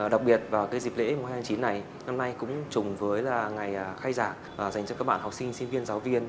đặc biệt vào dịp lễ mùa hai tháng chín này năm nay cũng chùng với ngày khai giảm dành cho các bạn học sinh sinh viên giáo viên